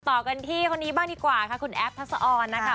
ต่อกันที่คนนี้บ้างดีกว่าค่ะคุณแอฟทัศออนนะคะ